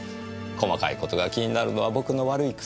細かい事が気になるのは僕の悪い癖。